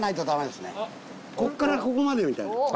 こっからここまでみたいな。